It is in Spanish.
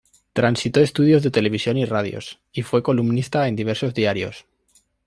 Transitó estudios de televisión y radios, y fue columnista en diversos diarios.